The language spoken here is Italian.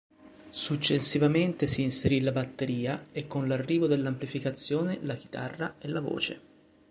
Successivamente si inserì la batteria e con l'arrivo dell'amplificazione la chitarra e la voce.